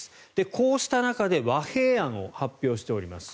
こうした中で和平案を発表しております。